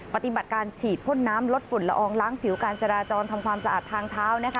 ปฏิบัติการฉีดพ่นน้ำลดฝุ่นละอองล้างผิวการจราจรทำความสะอาดทางเท้านะคะ